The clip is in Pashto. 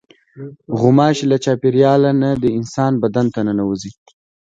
غوماشې له چاپېریاله نه د انسان بدن ته ننوځي.